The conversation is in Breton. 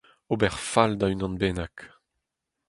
ober fall da unan bennak